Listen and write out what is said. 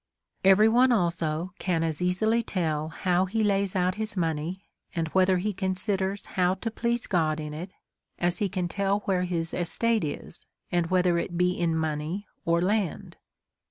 Every one also can as easily tell how he lays out his money, and whether he considers how to please God in it, as he can tell where his estate is, and whether it be in money or land.